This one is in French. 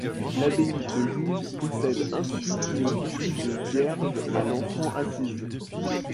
L'abbaye de Jouy possède ainsi une statue de Vierge à l'Enfant assise.